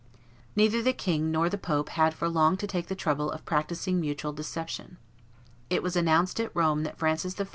] Neither the king nor the pope had for long to take the trouble of practising mutual deception. It was announced at Rome that Francis I.